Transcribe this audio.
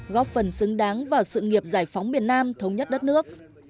góp phần xứng đáng vào sự nghiệp giải phóng miền nam thống nhất đất nước